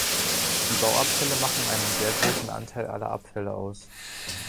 Die Bauabfälle machen einen sehr großen Anteil aller Abfälle aus.